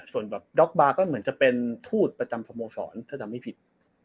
ส่วนแบบด๊อกบาร์ก็เหมือนจะเป็นทูตประจำสโมสรถ้าจำไม่ผิด